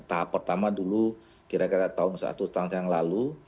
tahap pertama dulu kira kira tahun satu setengah tahun yang lalu